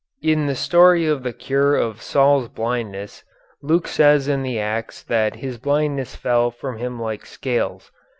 In the story of the cure of Saul's blindness Luke says in the Acts that his blindness fell from him like scales.